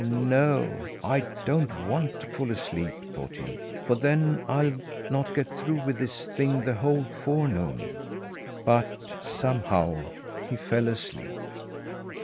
"No! I don't want to fall asleep," thought he, "for then I'll not get through with this thing the whole forenoon." But somehow he fell asleep.